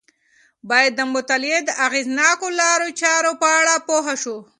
باید د مطالعې د اغیزناکو لارو چارو په اړه پوه شو.